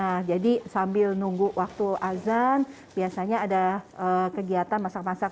nah jadi sambil nunggu waktu azan biasanya ada kegiatan masak masak